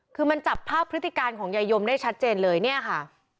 คือมันจับภาพพฤติการของยายยมได้ชัดเจนเลยเนี่ยค่ะ